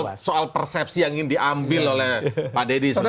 itu soal persepsi yang ingin diambil oleh pak deddy sebenarnya